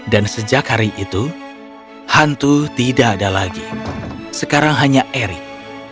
dan sejak hari itu hantu tidak ada lagi sekarang hanya eric